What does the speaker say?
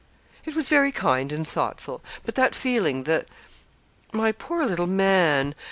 'It was very kind and thoughtful; but that feeling the my poor little man!